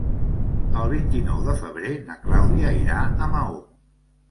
El vint-i-nou de febrer na Clàudia irà a Maó.